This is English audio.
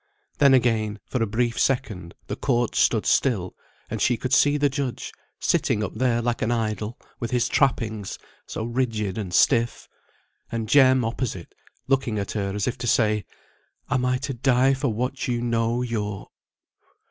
Then again, for a brief second, the court stood still, and she could see the judge, sitting up there like an idol, with his trappings, so rigid and stiff; and Jem, opposite, looking at her, as if to say, Am I to die for what you know your